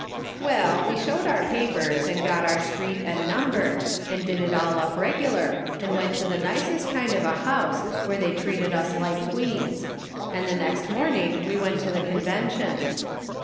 " Well, we showed our papers, and got our street and number, and did it all up regular, and went to the nicest kind of a house, wlierc they treated us like queens ; and the next morning we went to the Con vention.